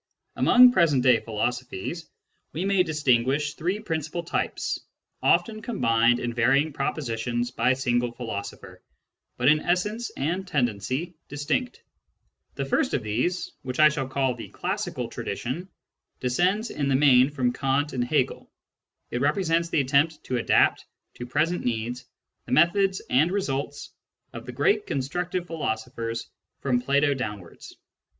Among present day philosophies, we may distinguish three principal types, often combined in varying propor tions by a single philosopher, but in essence and tendency distinct. The first of these, which I shall call the classi cal tradition, descends in the main from Kant and Hegel ; Digitized by Google 4 SCIENTIFIC METHOD IN PHILOSOPHY it represents the attempt to adapt to present needs the methods and results of the great constructive philosophers from Plato downwards.